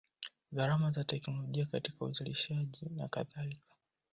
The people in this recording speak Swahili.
Gharama za teknolojia katika uzalishaji na kadhalika